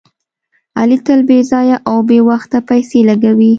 علي تل بې ځایه او بې وخته پیسې لګوي.